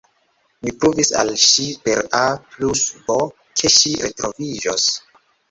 Mi pruvis al ŝi per A plus B, ke ŝi retroviĝos.